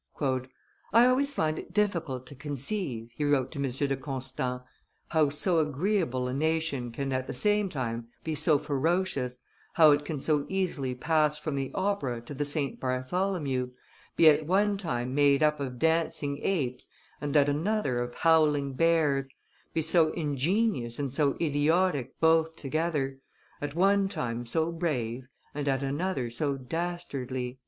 "I always find it difficult to conceive," he wrote to M. de Constant, "how so agreeable a nation can at the same time be so ferocious, how it can so easily pass from the opera to the St. Bartholomew, be at one time made up of dancing apes and at another of howling bears, be so ingenious and so idiotic both together, at one time so brave and at another so dastardly."